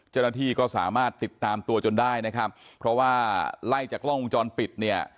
เจ้าหน้าที่ก็สามารถติดตามตัวจนได้นะครับเพราะว่าไล่จากกล้องวงจรปิดเนี่ย